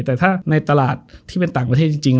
แต่ถ้าในตลาดที่เป็นต่างประเทศจริง